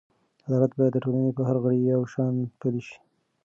عدالت باید د ټولنې په هر غړي یو شان پلی شي.